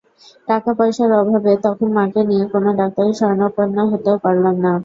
টাকা পয়সার অভাবে তখন মাকে নিয়ে কোনো ডাক্তারের শরণাপন্ন হতেও পারলাম না।